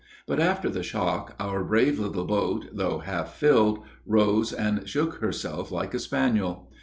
But after the shock, our brave little boat, though half filled, rose and shook herself like a spaniel.